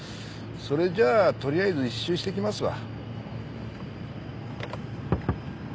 それじゃあ取りあえず１周してきますわ。